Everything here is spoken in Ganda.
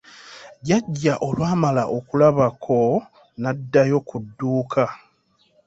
Jjjajja olwamala okubalabako, n'addayo ku dduuka.